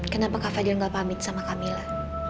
kenapa kak fadil gak pamit sama camilla